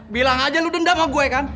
bilang aja lo dendam sama gue kan